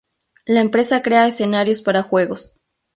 La empresa crea escenarios para juegos.